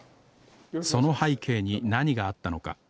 その背景に何があったのか。